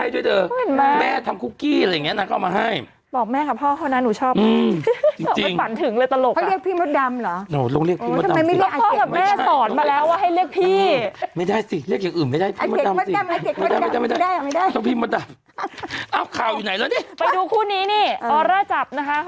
เด็กแฟนใช่ไหมนะครับ